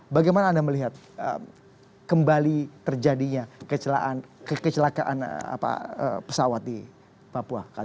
bagaimana anda melihat kembali terjadinya kecelakaan pesawat di papua